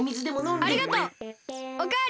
ありがとう。おかわり！